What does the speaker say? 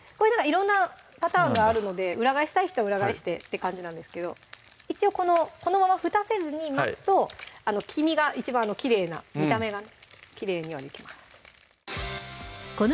色んなパターンがあるので裏返したい人は裏返してって感じなんですけど一応このままふたせずに待つと黄身が一番きれいな見た目がね